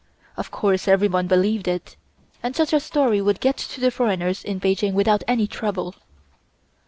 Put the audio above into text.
Of course everyone believed it, and such a story would get to the foreigners in Peking without any trouble.